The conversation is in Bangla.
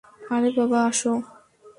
আরে বাবা, আসো!